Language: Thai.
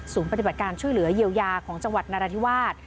ปฏิบัติการช่วยเหลือเยียวยาของจังหวัดนราธิวาส